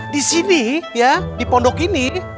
disini ya di pondok ini